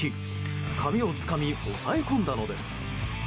髪をつかみ押さえ込んだのです。